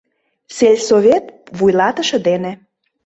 СЕЛЬСОВЕТ ВУЙЛАТЫШЕ ДЕНЕ